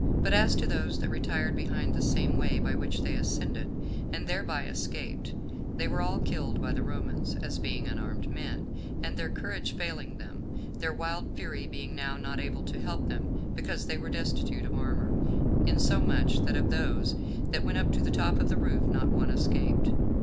But as to those that retired behind the same way by which they ascended, and thereby escaped, they were all killed by the Romans, as being unarmed men, and their courage failing them; their wild fury being now not able to help them, because they were destitute of armor, insomuch that of those that went up to the top of the roof, not one escaped.